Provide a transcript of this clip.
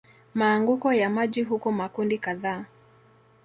maanguko ya maji huku makundi kadhaa